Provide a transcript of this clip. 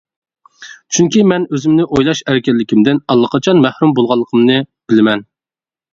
چۈنكى مەن ئۆزۈمنى ئويلاش ئەركىنلىكىمدىن ئاللىقاچان مەھرۇم بولغانلىقىمنى بىلىمەن.